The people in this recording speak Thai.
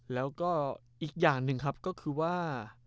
แล้วก็อีกอย่างหนึ่งครับก็คือว่า